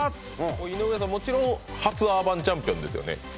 井上さん、もちろん「アーバンチャンピオン」ですよね？